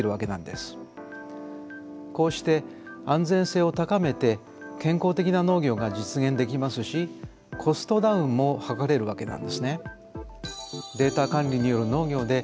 こうして安全性を高めて健康的な農業が実現できますしコストダウンも図れるわけなんですね。